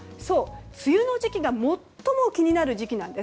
梅雨の時期が最も気になる時期なんです。